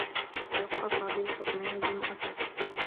تلقّى فاضل حكمين بالمؤبّد.